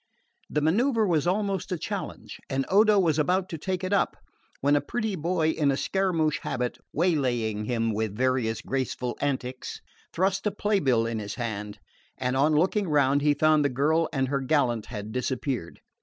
The manoeuvre was almost a challenge, and Odo was about to take it up when a pretty boy in a Scaramouch habit, waylaying him with various graceful antics, thrust a play bill in his hand; and on looking round he found the girl and her gallant had disappeared.